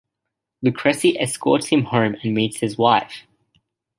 Luchresi escorts him home and meets his wife.